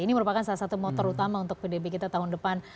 ini merupakan salah satu motor utama untuk pdb kita tahun depan